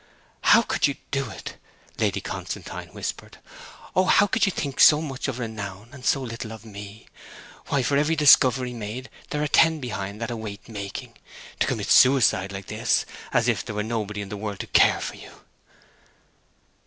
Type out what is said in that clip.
'How could you do it?' Lady Constantine whispered. 'O, how could you think so much of renown, and so little of me? Why, for every discovery made there are ten behind that await making. To commit suicide like this, as if there were nobody in the world to care for you!'